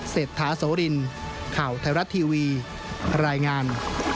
เศรษฐาโสรินข่าวไทยรัฐทีวีรายงาน